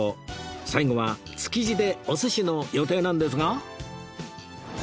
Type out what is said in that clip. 最後は築地でお寿司の予定なんですが